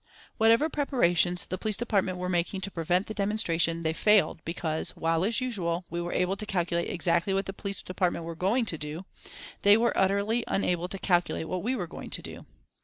Whatever preparations the police department were making to prevent the demonstration, they failed because, while as usual, we were able to calculate exactly what the police department were going to do, they were utterly unable to calculate what we were going to do.